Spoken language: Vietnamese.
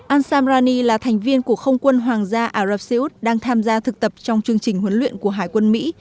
ansamrani là thành viên của không quân hoàng gia ả rập xê út đang tham gia thực tập trong chương trình huấn luyện của hải quân mỹ